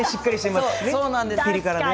ピリ辛でね。